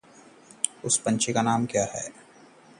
उस पंछी का नाम क्या है?